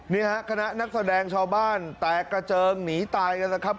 นี่ฮะคณะนักแสดงชาวบ้านแตกกระเจิงหนีตายกันนะครับ